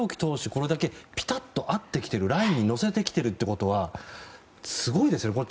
これだけ、ぴたっと合ってきているラインに乗せてきているということはすごいですよね、これ。